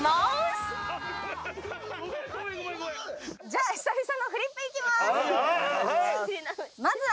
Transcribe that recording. じゃあ久々のフリップいきます。